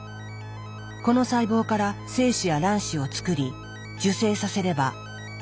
この細胞から精子や卵子を作り受精させれば。